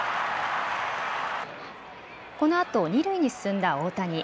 このあと二塁に進んだ大谷。